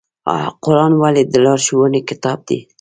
قرآن ولې د لارښوونې کتاب دی؟